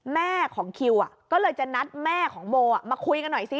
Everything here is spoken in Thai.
แม่ของคิวก็เลยจะนัดแม่ของโมมาคุยกันหน่อยสิ